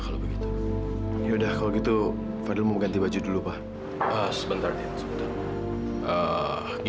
saudara fadil sendiri